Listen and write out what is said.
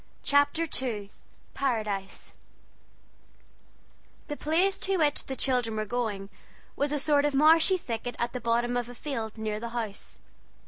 CHAPTER II PARADISE The place to which the children were going was a sort of marshy thicket at the bottom of a field near the house.